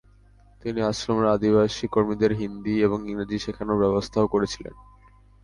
তিনি আশ্রমের আদিবাসী কর্মীদের হিন্দি এবং ইংরেজি শেখানোর ব্যবস্থাও করেছিলেন।